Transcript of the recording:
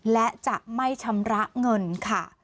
และจะไม่ชำระเงินค่ะ